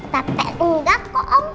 tapi enggak kok om